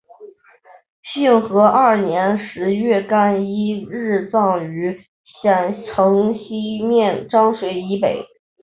兴和二年十月廿一日葬于邺城西面漳水以北。